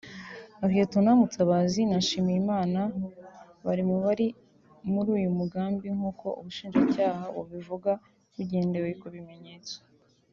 Lt Mutabazi na Nshimiyimana bari mu bari muri uyu mugambi nk’uko Ubushinjacyaha bubivuga bugendeye ku bimenyetso